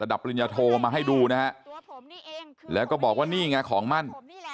ปริญญาโทมาให้ดูนะฮะแล้วก็บอกว่านี่ไงของมั่น